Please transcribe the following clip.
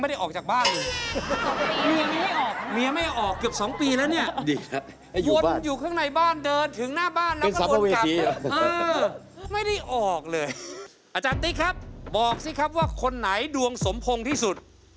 อาจารย์ติ๊กครับบอกสิครับว่าคนไหนดวงสมพงษ์ที่สุด